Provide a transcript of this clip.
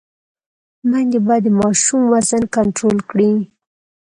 میندې باید د ماشوم وزن کنټرول کړي۔